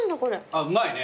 あっうまいね。